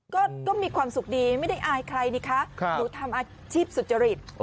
ก็มีความสุขดีไม่ได้อายใครนี่คะหนูทำอาชีพสุจริต